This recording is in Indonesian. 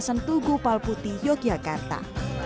kawasan tugu palputi yogyakarta